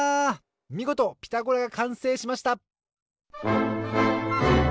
みごと「ピタゴラ」がかんせいしました！